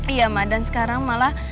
iya mah dan sekarang malah